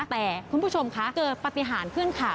แต่คุณผู้ชมคะเกิดปฏิหารขึ้นค่ะ